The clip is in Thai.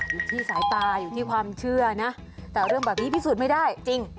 อยู่ที่สายตาอยู่ที่ความเชื่อนะแต่เรื่องแบบนี้พิสูจน์ไม่ได้จริง